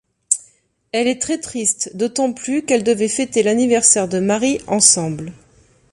Elle est très triste, d'autant plus qu'elles devaient fêter l'anniversaire de Mary ensemble.